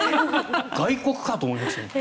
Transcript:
外国かと思いました。